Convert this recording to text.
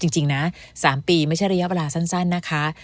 จริงนะ๓ปีไม่ใช่ระยะเวลาสั้นนะคะ